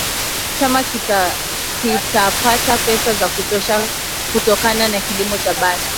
Chama kitapata pesa za kutosha kutokana na kilimo cha bangi